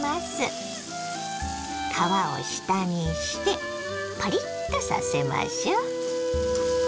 皮を下にしてパリッとさせましょ。